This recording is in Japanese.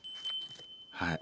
はい。